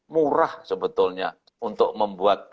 murah sebetulnya untuk membuat